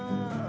iya mau mulai